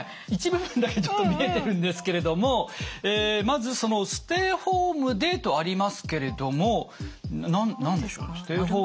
一部分だけちょっと見えてるんですけれどもまずその「ステイホームで」とありますけれども何でしょう？